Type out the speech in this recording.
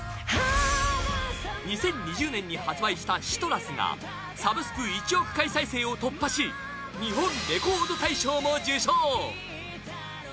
２０２０年に発売した「ＣＩＴＲＵＳ」がサブスク１億回再生を突破し日本レコード大賞も受賞。